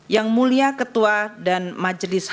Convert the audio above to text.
yang mulia ketua dan majelis hakim